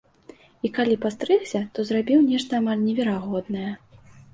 І калі пастрыгся, то зрабіў нешта амаль неверагоднае.